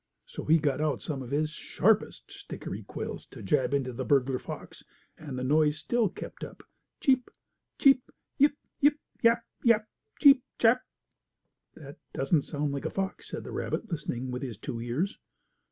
So he got out some of his sharpest stickery quills to jab into the burglar fox, and the noise still kept up: "Cheep! Cheep! Yip! Yip! Yap! Yap! Cheep chap!" "That doesn't sound like a fox," said the rabbit, listening with his two ears.